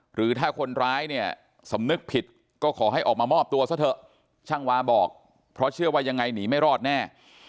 หรือถ้าคนร้ายเนี่ยสำนึกผิดก็ขอให้ออกมามอบตัวซะเถอะช่างวาบอกเพราะเชื่อว่ายังไงหนีไม่รอดแน่